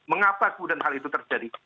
mengapa kemudian hal itu terjadi